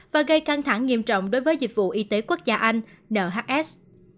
và gây căng thẳng nghiêm trọng đối với dịch vụ y tế quốc gia anh nhs